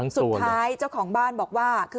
สุดท้ายเจ้าของบ้านบอกว่า